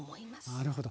なるほど。